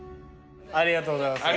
ありがとうございます。